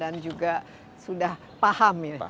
dan juga sudah paham ya